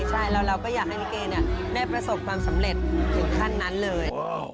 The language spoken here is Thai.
ใช่แล้วเราก็อยากให้ลิเกได้ประสบความสำเร็จถึงขั้นนั้นเลย